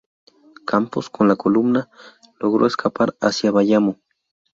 Campos con la columna logró escapar hacia Bayamo.